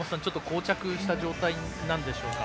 こう着した状態なんでしょうか？